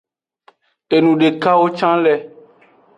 Enudekawo can le.